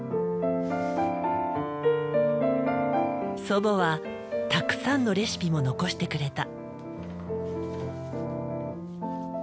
祖母はたくさんのレシピも残してくれた。